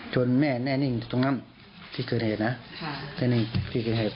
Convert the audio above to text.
จนแม่แน่นิ่งตรงนั้นที่เกิดเหตุนะแน่นิ่งที่เกิดเหตุ